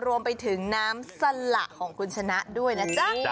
รวมไปถึงน้ำสละของคุณชนะด้วยนะจ๊ะ